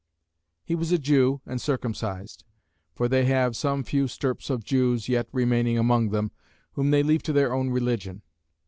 He was a Jew and circumcised: for they have some few stirps of Jews yet remaining among them, whom they leave to their own religion.